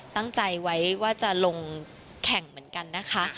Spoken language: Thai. ตั้งใจไว้ว่าจะลงแข่งเหมือนกันนะคะ